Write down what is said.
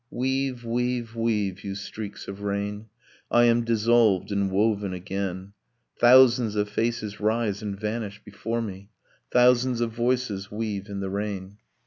Weave, weave, weave, you streaks of rain! I am dissolved and woven again ... Thousands of faces rise and vanish before me. Thousands of voices weave in the rain.